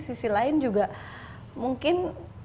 sisi lain juga mungkin